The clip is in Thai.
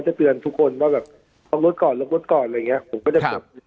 ก็จะเตือนทุกคนว่าแบบรอบรถก่อนรอกรถก่อนอะไรอย่างเงี้ย